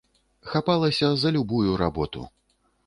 Хапалася за любую работу.